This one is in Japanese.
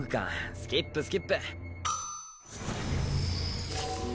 スキップスキップ。